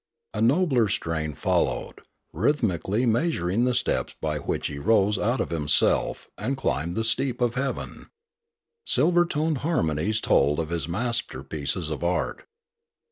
A nobler strain followed, rhythmically measuring the steps by which he rose out of himself and climbed the steep of heaven. Silver toned harmonies told of his masterpieces of art.